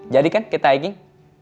jadikan kita hiking